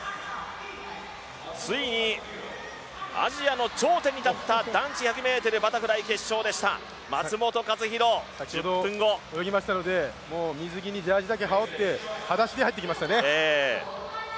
ついにアジアの頂点に立った男子１００ｍバタフライ決勝でしたさっき泳ぎましたので水着にジャージだけ羽織ってはだしで入ってきましたね。